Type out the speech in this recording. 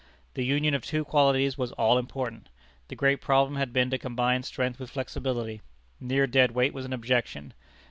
This union of two qualities was all important. The great problem had been to combine strength with flexibility. Mere dead weight was an objection.